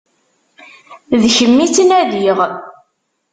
D kemm i ttnadiɣ.